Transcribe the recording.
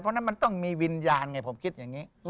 เพราะฉะนั้นมันต้องมีวิญญาณไงผมคิดอย่างนี้